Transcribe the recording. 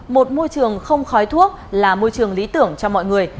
một môi trường không khói thuốc là môi trường lý tưởng cho mọi người